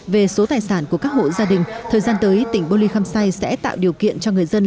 về số tài sản của các hộ gia đình thời gian tới tỉnh bô ly khâm say sẽ tạo điều kiện cho người dân